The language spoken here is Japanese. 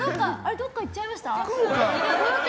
どこか行っちゃいました？